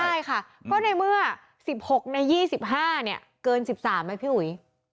ไม่ได้ค่ะเพราะในเมื่อ๑๖ใน๒๕เกิน๑๓ไหมพี่อุ๋ย